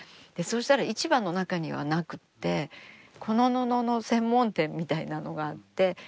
したら市場の中にはなくてこの布の専門店みたいなのがあって。